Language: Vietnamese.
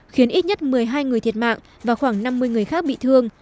khiến ít nhất một mươi hai người thiệt mạng và khoảng năm mươi người khác bị thương